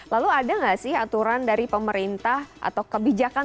lalu ada nggak sih aturan dari pemerintah atau kebijakan